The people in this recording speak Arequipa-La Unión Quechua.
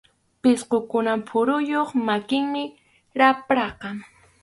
Pisqukunap phuruyuq makinmi rapraqa.